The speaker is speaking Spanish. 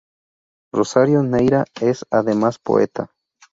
Rosario Neira es, además, poeta.